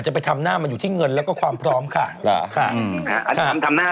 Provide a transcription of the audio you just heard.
ไปทำหน้ามันอยู่ที่เงินแล้วก็ความพร้อมค่ะเหรอค่ะทำหน้า